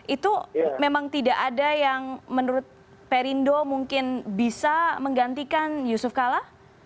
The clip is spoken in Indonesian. itu memang tidak ada yang menurut perindo mungkin bisa menggantikan yusuf kala